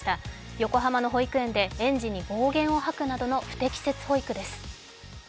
横浜の保育園で、園児に暴言をはくなどの不適切保育です。